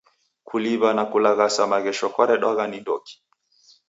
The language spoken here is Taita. Kuliw'a na kulaghasha maghesho kwaredwagha ni ndoki?